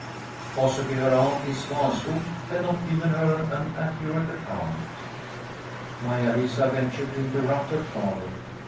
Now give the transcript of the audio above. Possibly her aunt in Svanskog had not given her an accurate account. Maia Lisa ventured to interrupt her father.